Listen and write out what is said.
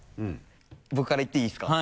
僕からいっていいですか？